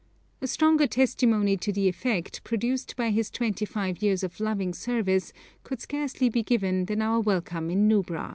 A stronger testimony to the effect produced by his twenty five years of loving service could scarcely be given than our welcome in Nubra.